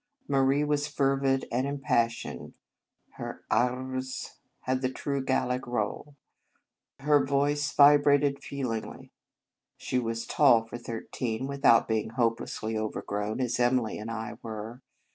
Marie was fervid and impassioned. Her r r s had the true Gallic roll. Her voice vibrated feelingly. She was tall for thirteen, without being hopelessly overgrown as Emily and I were.